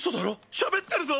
しゃべってるぞ！